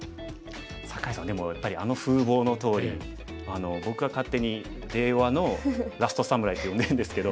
酒井さんはでもやっぱりあの風貌のとおり僕は勝手に令和のラスト侍って呼んでるんですけど。